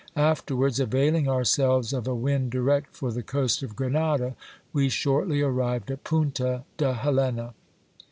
Afterwards, availing ourselves of a wind direct for the coast of Grenada, we shortly arrived at Punta de Helena.